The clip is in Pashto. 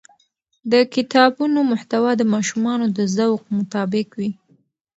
د کتابونو محتوا د ماشومانو د ذوق مطابق وي.